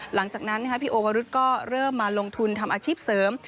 หลังจากนั้นพี่โอวรุษก็เริ่มมาลงทุนทำอาชีพเสริม